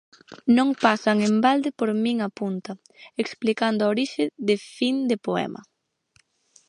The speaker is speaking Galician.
Non pasan en balde por min apunta, explicando a orixe de Fin de poema.